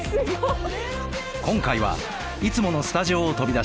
今回はいつものスタジオを飛び出し